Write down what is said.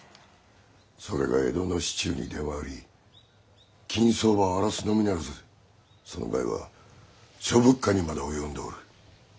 それが江戸の市中に出回り金相場を荒らすのみならずその害は諸物価にまで及んでおる。